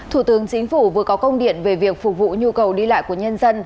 thủ tướng chính phủ vừa có công điện về việc phục vụ nhu cầu đi lại của nhân dân